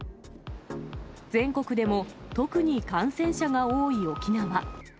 全国でも特に感染者が多い沖縄。